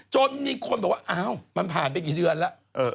จนมีคนบอกว่าอ้าวมันผ่านไปกี่เดือนแล้ว